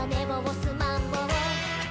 すまんぼう！